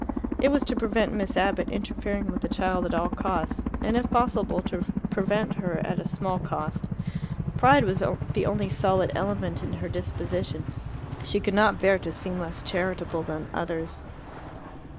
It was to prevent Miss Abbott interfering with the child at all costs, and if possible to prevent her at a small cost. Pride was the only solid element in her disposition. She could not bear to seem less charitable than others.